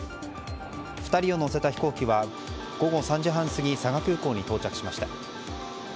２人を乗せた飛行機は午後３時半過ぎ佐賀空港に到着しました。